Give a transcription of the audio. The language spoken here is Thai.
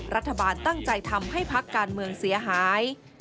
รัฐบาลตั้งใจทำให้พักการเมืองเสียหาย